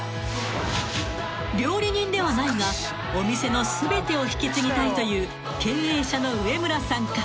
［料理人ではないがお店の全てを引き継ぎたいという経営者の上村さんか？］